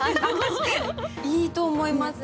いいと思います。